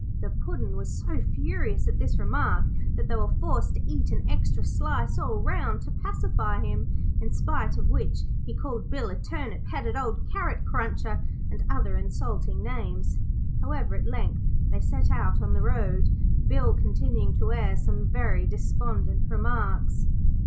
The Puddin' was so furious at this remark that they were forced to eat an extra slice all round to pacify him, in spite of which he called Bill a turnip headed old carrot cruncher, and other insulting names. However, at length they set out on the road, Bill continuing to air some very despondent remarks.